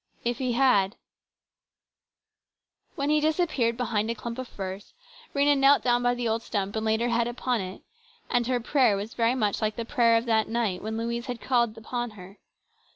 If he had When he disappeared behind a clump of firs, Rhena knelt down by the old stump and laid her head upon it, and her prayer was very much like the prayer of that night when Louise had called upon her.